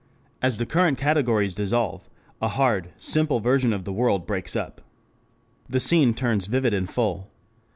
As the current categories dissolve, a hard, simple version of the world breaks up. The scene turns vivid and full.